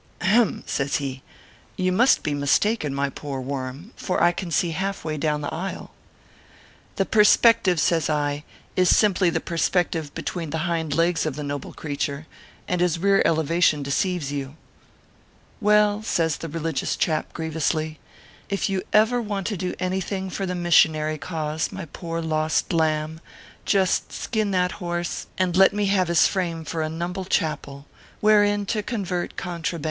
"Ahem!" says he. "You must be mistaken, my poor worm ; for I can see half way down the aisle." " The perspective," says I, " is simply the perspec tive between the hind legs of jthe noble creature, and his rear elevation deceives you." " Well," says the religious chap, grievously, " if you ever want to do anything for the missionary cause, my poor lost lamb, just skin that horse and 342 ORPHEUS C. KERR PAPERS. and let me have his frame for a numble chapel, wherein to convert contrabands."